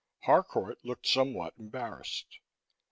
Harcourt looked somewhat embarrassed.